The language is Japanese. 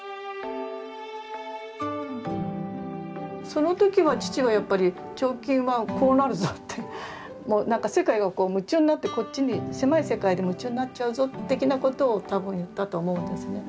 その時は父はやっぱり「彫金はこうなるぞ」って何か世界がこう夢中になってこっちに狭い世界で夢中になっちゃうぞ的なことを多分言ったと思うんですね。